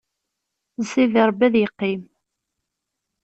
D Sidi Ṛebbi ad yeqqim.